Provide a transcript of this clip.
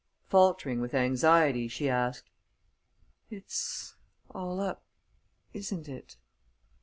Faltering with anxiety, she asked: "It's all up, isn't it?"